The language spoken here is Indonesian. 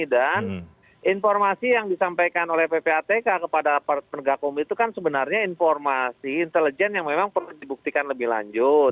dan informasi yang disampaikan oleh ppatk kepada penegak hukum itu kan sebenarnya informasi intelijen yang memang perlu dibuktikan lebih lanjut